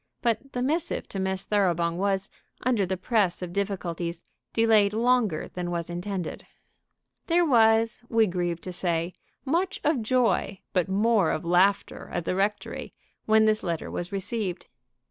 But the missive to Miss Thoroughbung was, under the press of difficulties, delayed longer than was intended. There was, we grieve to say, much of joy but more of laughter at the rectory when this letter was received.